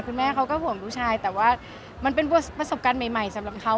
คุณแม่เขาก็ห่วงผู้ชายแต่ว่ามันเป็นประสบการณ์ใหม่สำหรับเขา